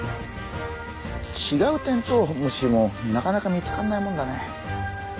違うテントウムシもなかなか見つかんないもんだね。